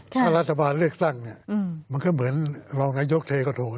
ถ้ารัฐบาลเลือกตั้งเนี่ยมันก็เหมือนรองนายกเทก็โดน